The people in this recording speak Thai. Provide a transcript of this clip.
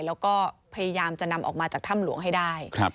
แล้วก็พยายามจะนำออกมาจากถ้ำหลวงให้ได้